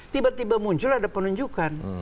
tiba tiba muncul ada penunjukan